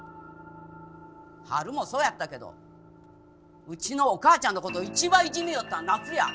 ハルもそうやったけどうちのお母ちゃんの事一番いじめよったのナツや。